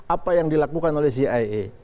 apa yang dilakukan oleh cia